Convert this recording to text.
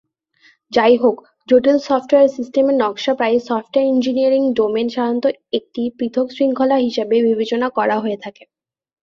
যাইহোক, জটিল সফ্টওয়্যার সিস্টেমের নকশা প্রায়ই সফ্টওয়্যার ইঞ্জিনিয়ারিং ডোমেন, সাধারণত একটি পৃথক শৃঙ্খলা হিসাবে বিবেচনা করা হয়ে থাকে।